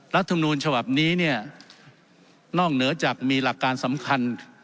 รัฐมนูลฉบับนี้เนี่ยนอกเหนือจากมีหลักการสำคัญ